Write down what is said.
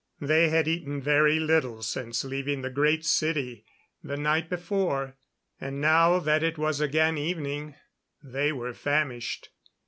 They had eaten very little since leaving the Great City the night before; and now that it was again evening, they were famished.